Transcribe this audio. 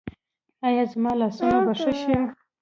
ایا زما لاسونه به ښه شي؟